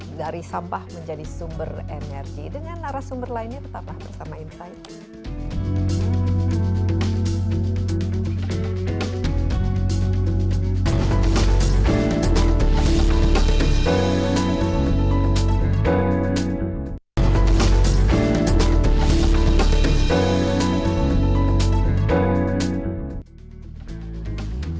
sampah dari sampah menjadi sumber energi dengan arah sumber lainnya tetaplah bersama insight